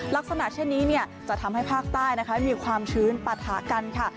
ลักษณะเช่นนี้จะทำให้ภาคใต้นะคะมีความชื้นปะทะกันค่ะ